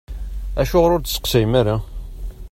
Acuɣer ur d-testeqsayem ara?